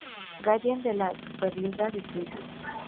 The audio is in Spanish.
Gallen de la Superliga de Suiza.